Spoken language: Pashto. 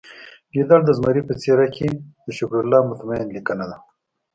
ګیدړ د زمري په څیره کې د شکرالله مطمین لیکنه ده